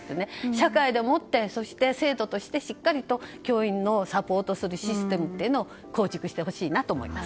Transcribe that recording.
社会でもって生徒としてしっかりと教員をサポートするシステムを構築してほしいと思います。